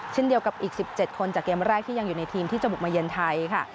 เช่นเดียวกับอีก๑๗คนจากเกมแรกที่ยังอยู่ในทีมที่จะบุกมาเยือนไทยค่ะ